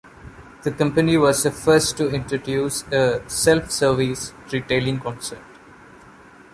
The company was the first to introduce a "self-service" retailing concept.